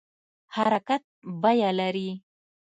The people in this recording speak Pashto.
حرکت بیه لري